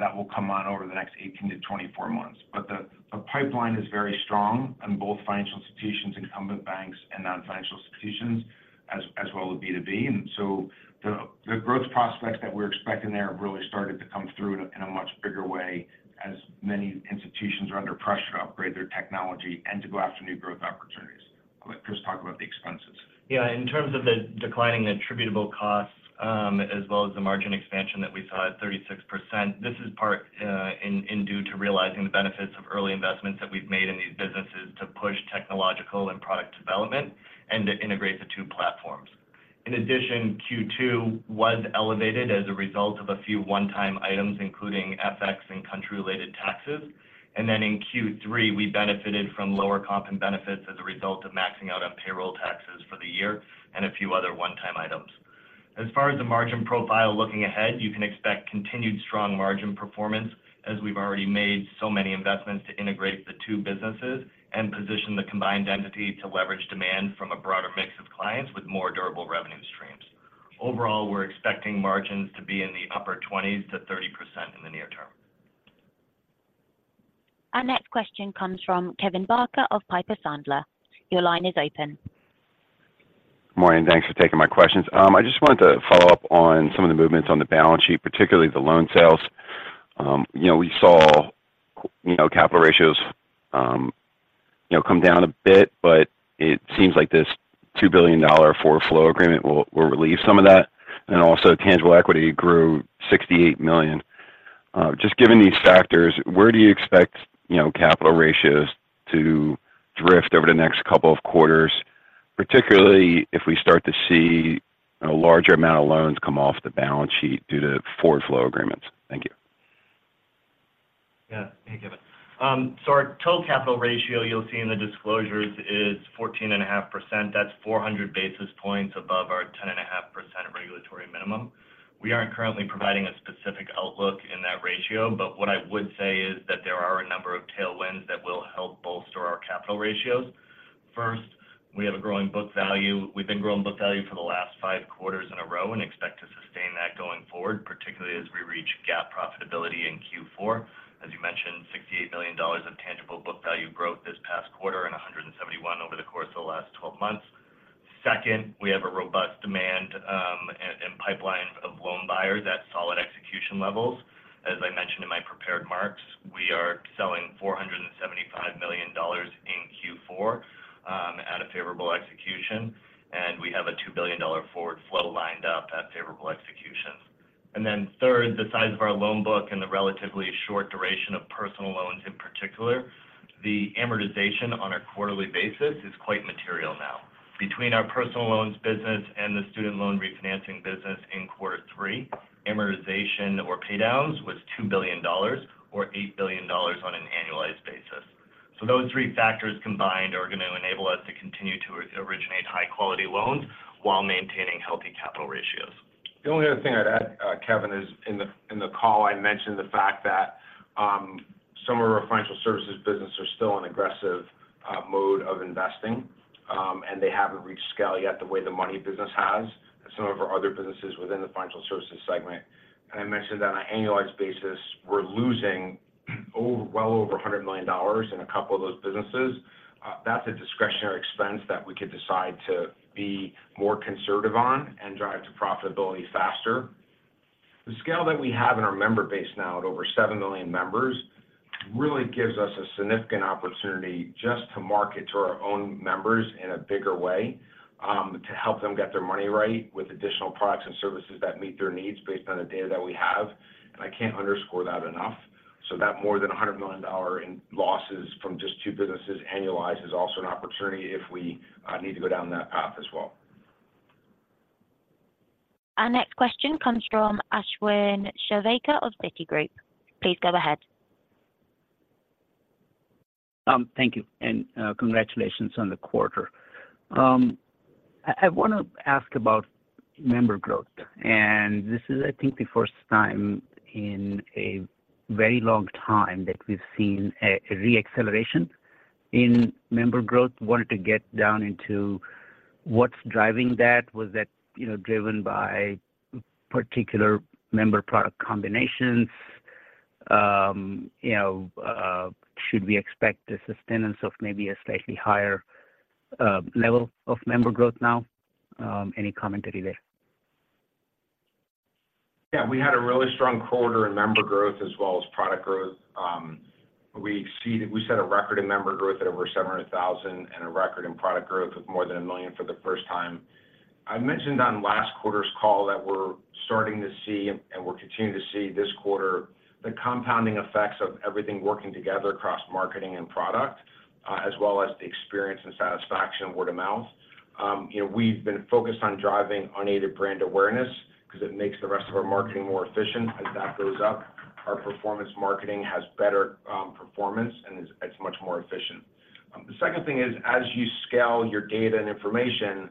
that will come on over the next 18-24 months. But the pipeline is very strong in both financial institutions, incumbent banks and non-financial institutions, as well as B2B. And so the growth prospects that we're expecting there have really started to come through in a much bigger way as many institutions are under pressure to upgrade their technology and to go after new growth opportunities. I'll let Chris talk about the expenses. Yeah. In terms of the declining attributable costs, as well as the margin expansion that we saw at 36%, this is part, in due to realizing the benefits of early investments that we've made in these businesses to push technological and product development and to integrate the two platforms. In addition, Q2 was elevated as a result of a few one-time items, including FX and country-related taxes. In Q3, we benefited from lower comp and benefits as a result of maxing out on payroll taxes for the year and a few other one-time items. As far as the margin profile looking ahead, you can expect continued strong margin performance as we've already made so many investments to integrate the two businesses and position the combined entity to leverage demand from a broader mix of clients with more durable revenue streams. Overall, we're expecting margins to be in the upper 20s-30% in the near term. Our next question comes from Kevin Barker of Piper Sandler. Your line is open. Good morning, and thanks for taking my questions. I just wanted to follow up on some of the movements on the balance sheet, particularly the loan sales. You know, we saw, you know, capital ratios, you know, come down a bit, but it seems like this $2 billion Forward Flow Agreement will relieve some of that. And then also, tangible equity grew $68 million. Just given these factors, where do you expect, you know, capital ratios to drift over the next couple of quarters, particularly if we start to see a larger amount of loans come off the balance sheet due to Forward Flow Agreements? Thank you. Yeah. Thank you, Kevin. So our total capital ratio, you'll see in the disclosures, is 14.5%. That's 400 basis points above our 10.5% regulatory minimum. We aren't currently providing a specific outlook in that ratio, but what I would say is that there are a number of tailwinds that will help bolster our capital ratios. First, we have a growing book value. We've been growing book value for the last 5 quarters in a row and expect to sustain that going forward, particularly as we reach GAAP profitability in Q4. As you mentioned, $68 million of tangible book value growth this past quarter and $171 million over the course of the last 12 months. Second, we have a robust demand and pipeline of loan buyers at solid execution levels. As I mentioned in my prepared remarks, we are selling $475 million in Q4 at a favorable execution, and we have a $2 billion forward flow lined up at favorable execution. Then third, the size of our loan book and the relatively short duration of personal loans in particular, the amortization on a quarterly basis is quite material now. Between our personal loans business and the student loan refinancing business in quarter three, amortization or paydowns was $2 billion or $8 billion on an annualized basis. So those three factors combined are going to enable us to continue to originate high-quality loans while maintaining healthy capital ratios. The only other thing I'd add, Kevin, is in the call, I mentioned the fact that some of our Financial Services business are still in aggressive mode of investing, and they haven't reached scale yet the way the money business has and some of our other businesses within the Financial Services segment. And I mentioned that on an annualized basis, we're losing over, well over $100 million in a couple of those businesses. That's a discretionary expense that we could decide to be more conservative on and drive to profitability faster. The scale that we have in our member base now, at over seven million members, really gives us a significant opportunity just to market to our own members in a bigger way, to help them get their money right with additional products and services that meet their needs based on the data that we have. And I can't underscore that enough. So that more than $100 million in losses from just two businesses annualized is also an opportunity if we need to go down that path as well. Our next question comes from Ashwin Shirvaikar of Citigroup. Please go ahead. Thank you, and congratulations on the quarter. I wanna ask about member growth, and this is, I think, the first time in a very long time that we've seen a re-acceleration in member growth. Wanted to get down into what's driving that. Was that, you know, driven by particular member product combinations? You know, should we expect the sustenance of maybe a slightly higher-... level of member growth now? Any commentary there? Yeah, we had a really strong quarter in member growth as well as product growth. We exceeded—we set a record in member growth at over 700,000 and a record in product growth of more than 1 million for the first time. I mentioned on last quarter's call that we're starting to see, and we're continuing to see this quarter, the compounding effects of everything working together across marketing and product, as well as the experience and satisfaction of word-of-mouth. You know, we've been focused on driving unaided brand awareness because it makes the rest of our marketing more efficient. As that goes up, our performance marketing has better performance, and it's much more efficient. The second thing is, as you scale your data and information,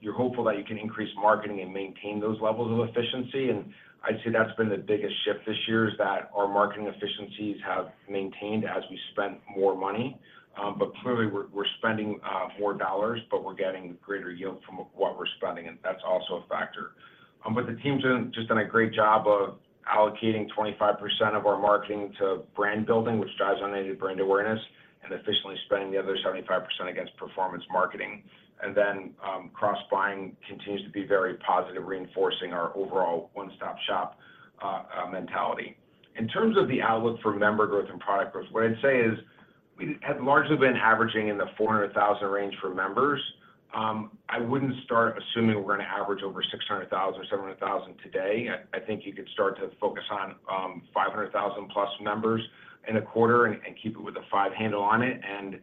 you're hopeful that you can increase marketing and maintain those levels of efficiency. And I'd say that's been the biggest shift this year, is that our marketing efficiencies have maintained as we spent more money. But clearly, we're spending more dollars, but we're getting greater yield from what we're spending, and that's also a factor. But the team's just done a great job of allocating 25% of our marketing to brand building, which drives unaided brand awareness, and efficiently spending the other 75% against performance marketing. And then, cross-buying continues to be very positive, reinforcing our overall one-stop-shop mentality. In terms of the outlook for member growth and product growth, what I'd say is, we have largely been averaging in the 400,000 range for members. I wouldn't start assuming we're going to average over 600,000 or 700,000 today. I think you could start to focus on 500,000-plus members in a quarter and keep it with a five handle on it, and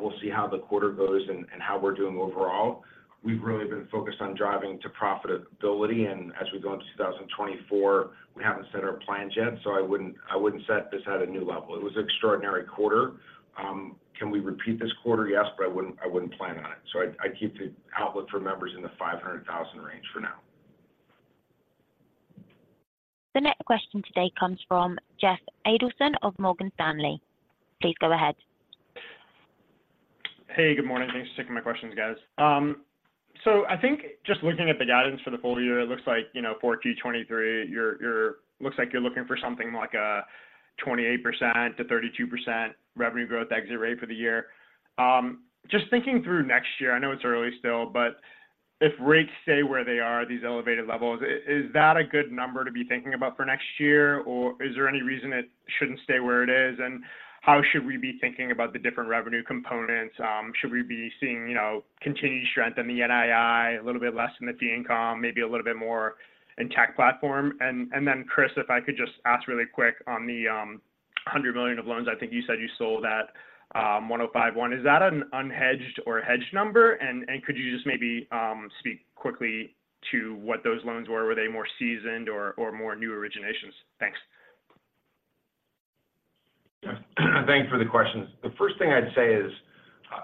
we'll see how the quarter goes and how we're doing overall. We've really been focused on driving to profitability, and as we go into 2024, we haven't set our plans yet, so I wouldn't set this at a new level. It was an extraordinary quarter. Can we repeat this quarter? Yes, but I wouldn't plan on it. So I'd keep the outlook for members in the 500,000 range for now. The next question today comes from Jeff Adelson of Morgan Stanley. Please go ahead. Hey, good morning. Thanks for taking my questions, guys. So I think just looking at the guidance for the full year, it looks like, you know, for 2023, you're looking for something like a 28%-32% revenue growth exit rate for the year. Just thinking through next year, I know it's early still, but if rates stay where they are, these elevated levels, is that a good number to be thinking about for next year, or is there any reason it shouldn't stay where it is? And how should we be thinking about the different revenue components? Should we be seeing, you know, continued strength in the NII, a little bit less in the fee income, maybe a little bit more in tech platform? Chris, if I could just ask really quick on the $100 million of loans, I think you said you sold at 105.1. Is that an unhedged or a hedged number? And could you just maybe speak quickly to what those loans were? Were they more seasoned or more new originations? Thanks. Thanks for the questions. The first thing I'd say is,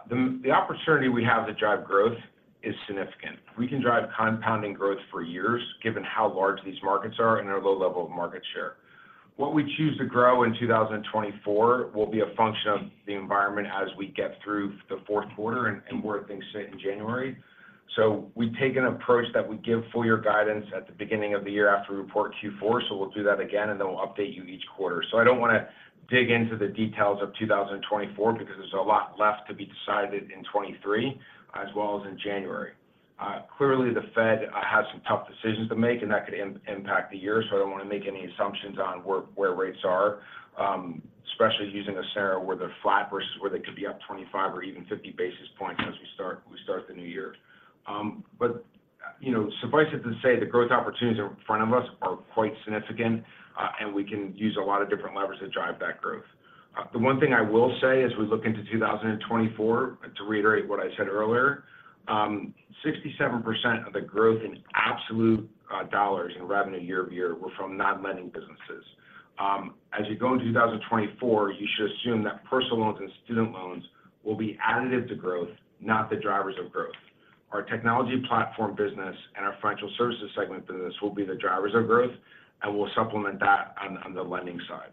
the opportunity we have to drive growth is significant. We can drive compounding growth for years, given how large these markets are and our low level of market share. What we choose to grow in 2024 will be a function of the environment as we get through the fourth quarter and where things sit in January. So we take an approach that we give full year guidance at the beginning of the year after we report Q4, so we'll do that again, and then we'll update you each quarter. So I don't want to dig into the details of 2024, because there's a lot left to be decided in 2023 as well as in January. Clearly, the Fed has some tough decisions to make, and that could impact the year, so I don't want to make any assumptions on where rates are, especially using a scenario where they're flat versus where they could be up 25 or even 50 basis points as we start the new year. But, you know, suffice it to say, the growth opportunities in front of us are quite significant, and we can use a lot of different levers to drive that growth. The one thing I will say as we look into 2024, to reiterate what I said earlier, 67% of the growth in absolute dollars in revenue year-over-year were from non-lending businesses. As you go into 2024, you should assume that personal loans and student loans will be additive to growth, not the drivers of growth. Our Technology Platform business and our Financial Services segment business will be the drivers of growth, and we'll supplement that on the lending side.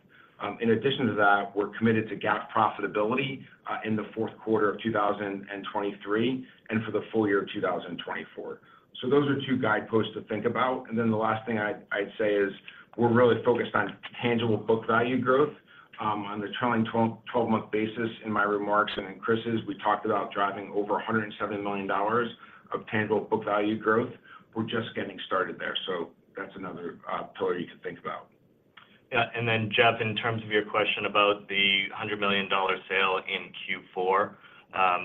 In addition to that, we're committed to GAAP profitability in the fourth quarter of 2023 and for the full year of 2024. So those are two guideposts to think about. Then the last thing I'd say is we're really focused on tangible book value growth. On the trailing 12-month basis in my remarks and in Chris's, we talked about driving over $170 million of tangible book value growth. We're just getting started there, so that's another pillar you can think about. Yeah. Jeff, in terms of your question about the $100 million sale in Q4,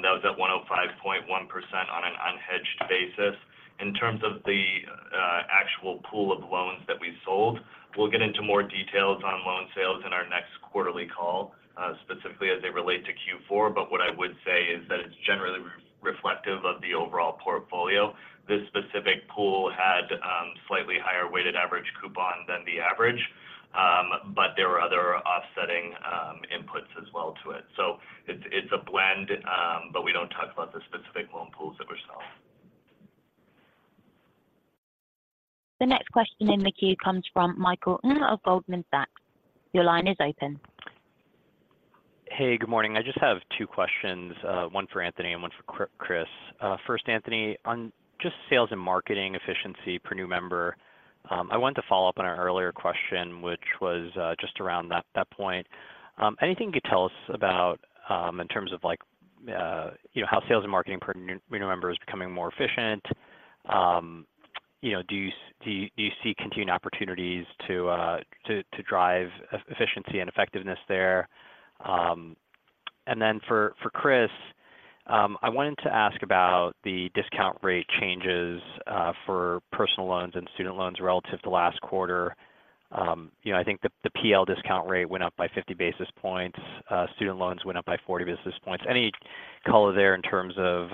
that was at 105.1% on an unhedged basis. In terms of the actual pool of loans that we sold, we'll get into more details on loan sales in our next quarterly call, specifically as they relate to Q4. What I would say is that it's generally reflective of the overall portfolio. This specific pool had slightly higher weighted average coupon than the average, but there were other offsetting inputs as well to it. It's a blend, but we don't talk about the specific loan pools that were sold. The next question in the queue comes from Michael Ng of Goldman Sachs. Your line is open. Hey, good morning. I just have two questions, one for Anthony and one for Chris. First, Anthony, on just sales and marketing efficiency per new member. ... I wanted to follow up on our earlier question, which was just around that point. Anything you could tell us about, in terms of like, you know, how sales and marketing per new member is becoming more efficient? You know, do you see continued opportunities to drive efficiency and effectiveness there? And then for Chris, I wanted to ask about the discount rate changes for personal loans and student loans relative to last quarter. You know, I think the PL discount rate went up by 50 basis points, student loans went up by 40 basis points. Any color there in terms of,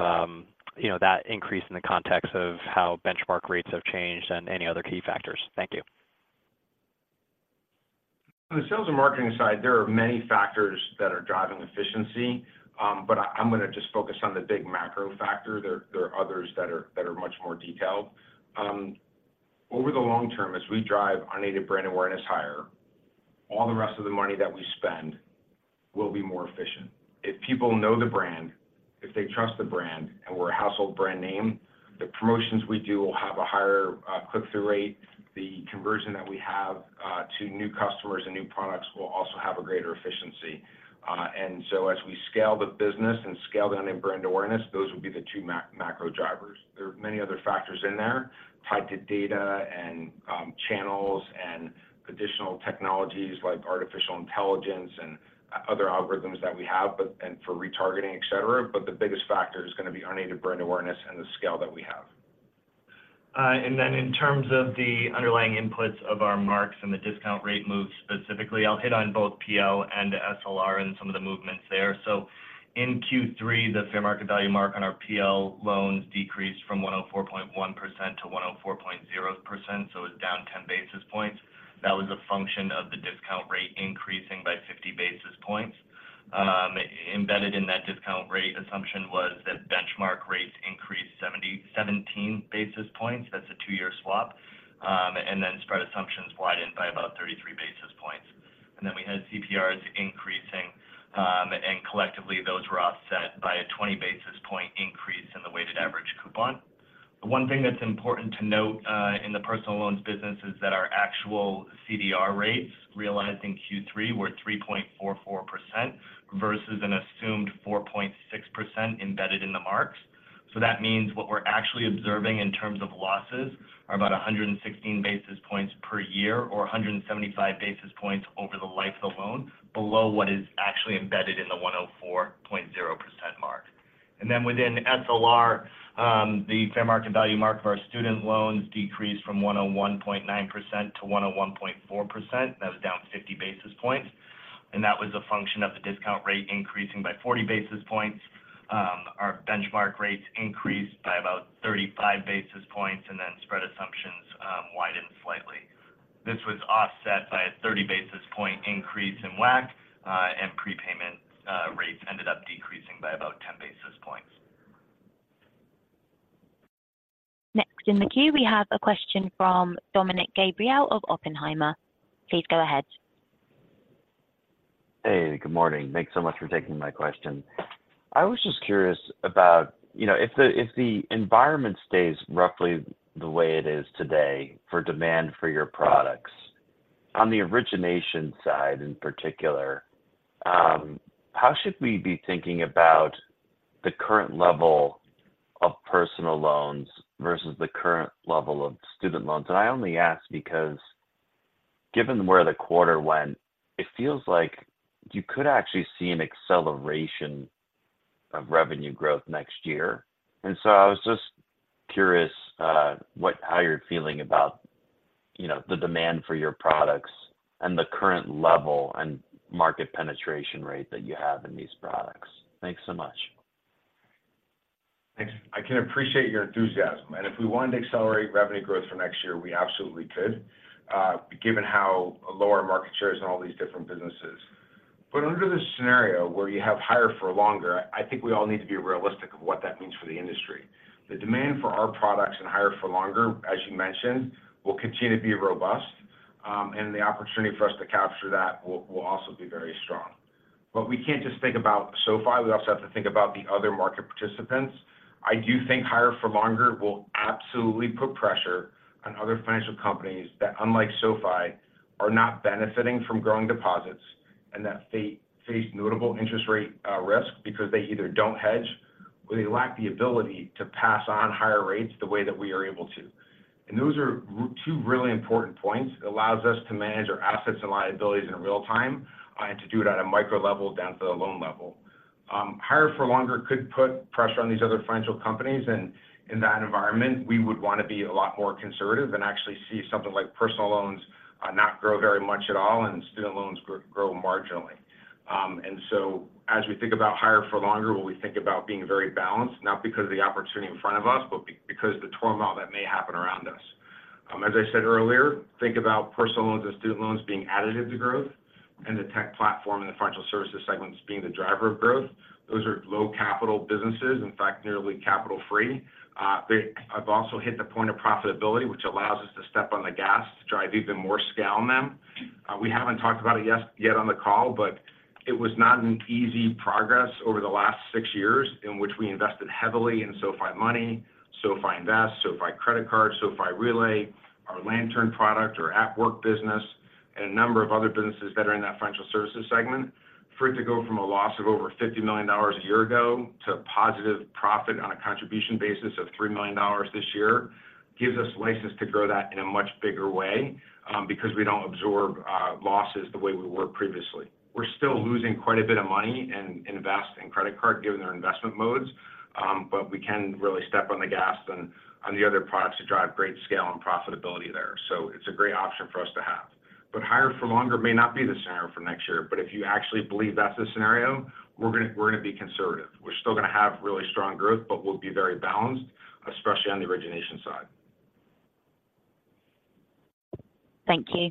you know, that increase in the context of how benchmark rates have changed and any other key factors? Thank you. On the sales and marketing side, there are many factors that are driving efficiency, but I'm going to just focus on the big macro factor. There are others that are much more detailed. Over the long term, as we drive unaided brand awareness higher, all the rest of the money that we spend will be more efficient. If people know the brand, if they trust the brand, and we're a household brand name, the promotions we do will have a higher click-through rate. The conversion that we have to new customers and new products will also have a greater efficiency. And so as we scale the business and scale the name brand awareness, those would be the two macro drivers. There are many other factors in there tied to data and, channels and additional technologies like artificial intelligence and other algorithms that we have, but and for retargeting, et cetera. But the biggest factor is going to be unaided brand awareness and the scale that we have. In terms of the underlying inputs of our marks and the discount rate moves, specifically, I'll hit on both PL and SLR and some of the movements there. In Q3, the fair market value mark on our PL loans decreased from 104.1% to 104.0%, so it was down 10 basis points. That was a function of the discount rate increasing by 50 basis points. Embedded in that discount rate assumption was that benchmark rates increased 17 basis points. That's a two-year swap. Spread assumptions widened by about 33 basis points. We had CPRs increasing, and collectively, those were offset by a 20 basis point increase in the weighted average coupon. One thing that's important to note in the personal loans business is that our actual CDR rates, realized in Q3, were 3.44% versus an assumed 4.6% embedded in the marks. So that means what we're actually observing in terms of losses are about 116 basis points per year, or 175 basis points over the life of the loan, below what is actually embedded in the 104.0% mark. And then within SLR, the fair market value mark of our student loans decreased from 101.9% to 101.4%. That was down 50 basis points, and that was a function of the discount rate increasing by 40 basis points. Our benchmark rates increased by about 35 basis points, and then spread assumptions widened slightly. This was offset by a 30 basis point increase in WAC, and prepayment rates ended up decreasing by about 10 basis points. Next in the queue, we have a question from Dominick Gabriele of Oppenheimer. Please go ahead. Hey, good morning. Thanks so much for taking my question. I was just curious about, you know, if the environment stays roughly the way it is today for demand for your products, on the origination side in particular, how should we be thinking about the current level of personal loans versus the current level of student loans? And I only ask because given where the quarter went, it feels like you could actually see an acceleration of revenue growth next year. And so I was just curious, how you're feeling about, you know, the demand for your products and the current level and market penetration rate that you have in these products. Thanks so much. Thanks. I can appreciate your enthusiasm, and if we wanted to accelerate revenue growth for next year, we absolutely could, given how low our market share is in all these different businesses. But under this scenario, where you have higher for longer, I think we all need to be realistic of what that means for the industry. The demand for our products and higher for longer, as you mentioned, will continue to be robust, and the opportunity for us to capture that will also be very strong. But we can't just think about SoFi, we also have to think about the other market participants. I do think higher for longer will absolutely put pressure on other financial companies that, unlike SoFi, are not benefiting from growing deposits, and that face notable interest rate risk because they either don't hedge or they lack the ability to pass on higher rates the way that we are able to. And those are two really important points that allows us to manage our assets and liabilities in real time, and to do it at a micro level, down to the loan level. Higher for longer could put pressure on these other financial companies, and in that environment, we would want to be a lot more conservative and actually see something like personal loans not grow very much at all and student loans grow marginally. As we think about higher for longer, we think about being very balanced, not because of the opportunity in front of us, but because the turmoil that may happen around us. As I said earlier, think about personal loans and student loans being additive to growth, and the tech platform and the Financial Services segments being the driver of growth. Those are low capital businesses, in fact, nearly capital free. They have also hit the point of profitability, which allows us to step on the gas to drive even more scale in them. We haven't talked about it yet on the call, but it was not an easy progress over the last six years in which we invested heavily in SoFi Money, SoFi Invest, SoFi Credit Card, SoFi Relay, our Lantern product, our At Work business.... and a number of other businesses that are in that Financial Services segment. For it to go from a loss of over $50 million a year ago to positive profit on a contribution basis of $3 million this year, gives us license to grow that in a much bigger way, because we don't absorb losses the way we were previously. We're still losing quite a bit of money in, in investing credit card, given our investment modes, but we can really step on the gas on the other products to drive great scale and profitability there. It's a great option for us to have. Higher for longer may not be the scenario for next year, but if you actually believe that's the scenario, we're gonna, we're gonna be conservative. We're still gonna have really strong growth, but we'll be very balanced, especially on the origination side. Thank you.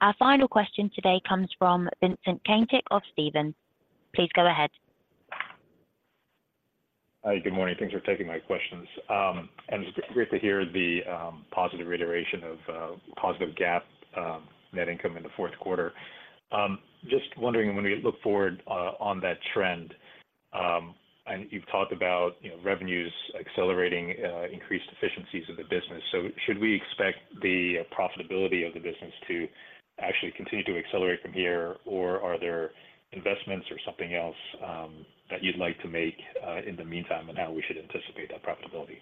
Our final question today comes from Vincent Caintic of Stephens. Please go ahead. Hi, good morning. Thanks for taking my questions. It's great to hear the positive reiteration of positive GAAP net income in the fourth quarter. Just wondering, when we look forward on that trend, you've talked about, you know, revenues accelerating, increased efficiencies of the business. Should we expect the profitability of the business to actually continue to accelerate from here? Are there investments or something else that you'd like to make in the meantime, and how we should anticipate that profitability?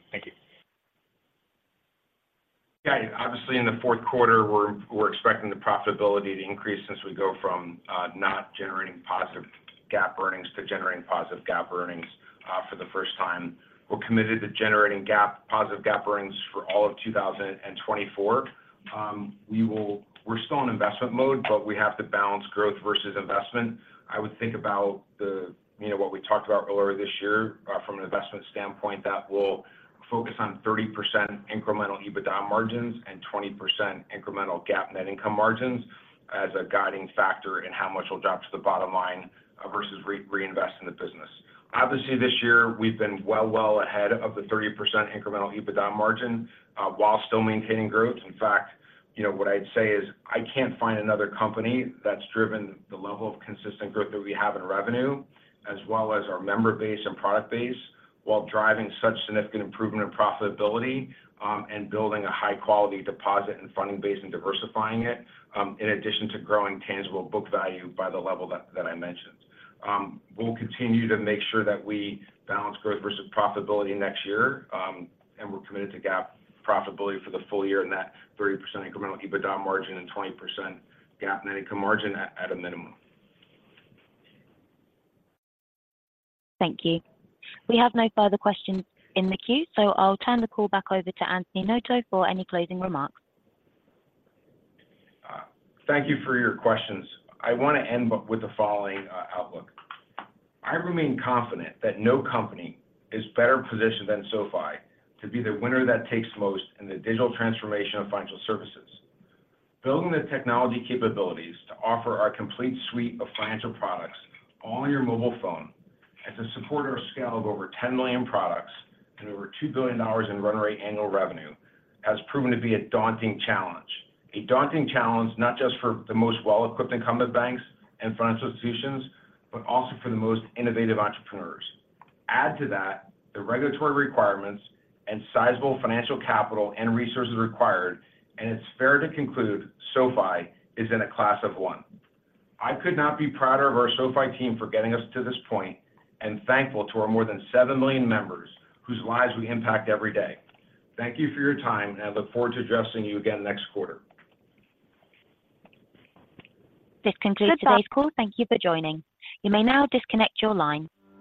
Thank you. Yeah, obviously, in the fourth quarter, we're expecting the profitability to increase as we go from not generating positive GAAP earnings to generating positive GAAP earnings for the first time. We're committed to generating GAAP-positive GAAP earnings for all of 2024. We're still in investment mode, but we have to balance growth versus investment. I would think about the, you know, what we talked about earlier this year, from an investment standpoint, that we'll focus on 30% incremental EBITDA margins and 20% incremental GAAP net income margins as a guiding factor in how much we'll drop to the bottom line versus reinvest in the business. Obviously, this year we've been well ahead of the 30% incremental EBITDA margin, while still maintaining growth. In fact, you know, what I'd say is I can't find another company that's driven the level of consistent growth that we have in revenue, as well as our member base and product base, while driving such significant improvement in profitability, and building a high-quality deposit and funding base and diversifying it, in addition to growing tangible book value by the level that I mentioned. We'll continue to make sure that we balance growth versus profitability next year, and we're committed to GAAP profitability for the full year in that 30% incremental EBITDA margin and 20% GAAP net income margin at, at a minimum. Thank you. We have no further questions in the queue, so I'll turn the call back over to Anthony Noto for any closing remarks. Thank you for your questions. I want to end with the following outlook. I remain confident that no company is better positioned than SoFi to be the winner that takes most in the digital transformation of Financial Services. Building the technology capabilities to offer our complete suite of financial products on your mobile phone, as a supporter of scale of over 10 million products and over $2 billion in run rate annual revenue, has proven to be a daunting challenge. A daunting challenge, not just for the most well-equipped incumbent banks and financial institutions, but also for the most innovative entrepreneurs. Add to that the regulatory requirements and sizable financial capital and resources required, and it's fair to conclude SoFi is in a class of one. I could not be prouder of our SoFi team for getting us to this point, and thankful to our more than 7 million members whose lives we impact every day. Thank you for your time, and I look forward to addressing you again next quarter. This concludes today's call. Thank you for joining. You may now disconnect your line.